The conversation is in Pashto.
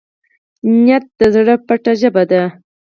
نیت د زړه پټه ژبه ده.